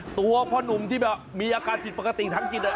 ตัวพ่อนุ่มที่แบบมีอาการผิดปกติทางจิต